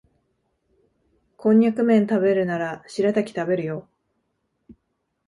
コンニャクめん食べるならシラタキ食べるよ